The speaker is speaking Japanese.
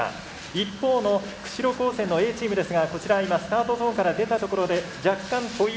一方の釧路高専のＡチームですがこちら今スタートゾーンから出たところで若干ホイールが空回りしています。